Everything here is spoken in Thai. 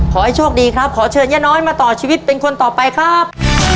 ขอให้โชคดีครับขอเชิญย่าน้อยมาต่อชีวิตเป็นคนต่อไปครับ